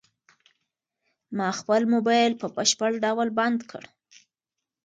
ما خپل موبايل په بشپړ ډول بند کړ.